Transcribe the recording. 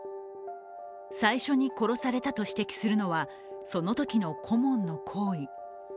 最初に殺されたと指摘するのはそのときの顧問の行為。